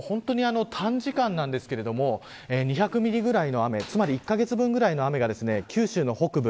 本当に短時間なんですけれども２００ミリぐらいの雨つまり１カ月分ぐらいの雨が九州の北部